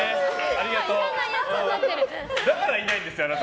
だからいないんですよ、あなた。